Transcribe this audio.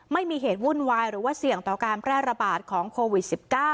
ไม่มีเหตุวุ่นวายหรือว่าเสี่ยงต่อการแพร่ระบาดของโควิด๑๙